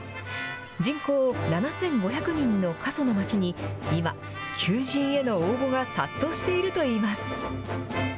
人口７５００人の過疎の町に、今、求人への応募が殺到しているといいます。